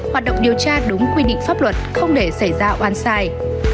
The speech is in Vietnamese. hoạt động điều tra đúng quy định pháp luật không để xảy ra oan sai